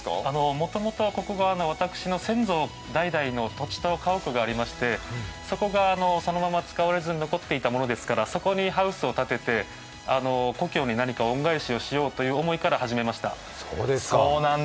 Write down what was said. もともとここが私の先祖代々の土地と家屋がありましてそこがそのまま使われずに残っていたものですから、そこにハウスを立てて故郷に何か恩返しをしようという思いから始めました。